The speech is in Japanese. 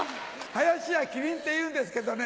林家木りんっていうんですけどね。